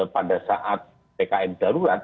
pada saat ppkm darurat